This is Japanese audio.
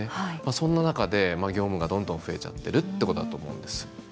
そんな中で業務がどんどん増えちゃってるということだと思うんです。